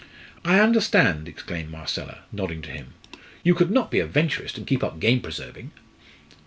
"I understand!" exclaimed Marcella, nodding to him "you could not be a Venturist and keep up game preserving?"